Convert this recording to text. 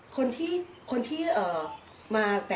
คือที่ฉันเป็นตัวจักรในการทำงาน